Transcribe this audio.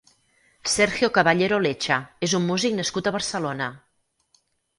Sergio Caballero Lecha és un músic nascut a Barcelona.